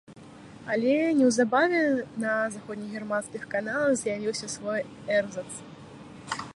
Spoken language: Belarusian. Але неўзабаве на заходнегерманскіх каналах з'явіўся свой эрзац.